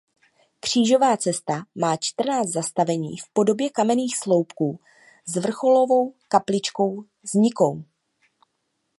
Křížová cesta má čtrnáct zastavení v podobě kamenných sloupků s vrcholovou kapličkou s nikou.